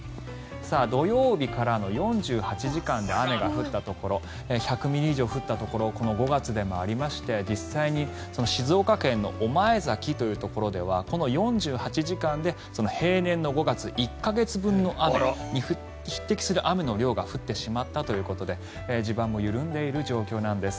土曜日からの４８時間で雨が降ったところ１００ミリ以上降ったところこの５月でもありまして実際に静岡県の御前崎というところではこの４８時間で平年の５月１か月分の雨に匹敵する雨の量が降ってしまったということで地盤も緩んでいる状況なんです。